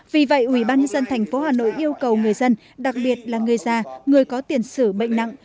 vì vậy ủy ban dân thành phố hà nội yêu cầu người dân đặc biệt là người già người có tiền sử bệnh nặng